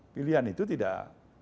pilihan itu tidak